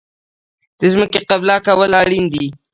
د ځمکې قلبه کول اړین دي.